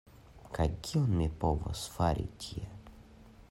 Kaj kion mi povos fari tie?